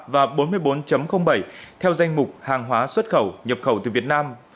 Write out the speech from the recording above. bốn mươi bốn ba và bốn mươi bốn bảy theo danh mục hàng hóa xuất khẩu nhập khẩu từ việt nam